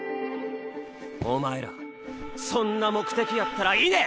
お前らそんな目的やったら去ね！